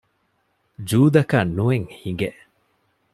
ޖޫދަކަށް ނުއެއް ހިނގެ